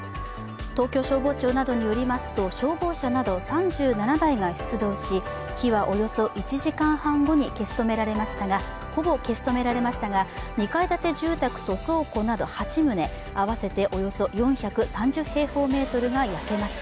東京消防庁などによりますと消防車など３７台が出動し火はおよそ１時間半後にほぼ消し止められましたが、２階建て住宅の倉庫など８棟、合わせておよそ４３０平方メートルが焼けました。